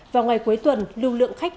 vào ngày cuối tuần lưu lượng khách